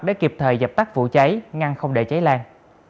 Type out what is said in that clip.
để kịp thời dập tắt vụ cháy ngăn không để cháy lan